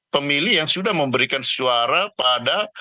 pemilih yang sudah memberikan suara pada